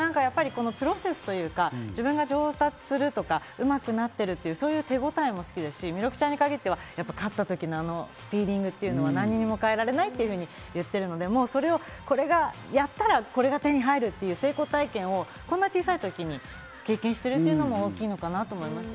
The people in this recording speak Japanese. プロセスというか、自分が上達するとか、うまくなってるっていうか、そういう手応えも好きだし、弥勒ちゃんに限っては勝った時のフィーリングが何にも代えられないと言っているので、これがやったらこれが手に入るっていう成功体験をこんな小さいときに経験してるっていうのも大きいかなと思います。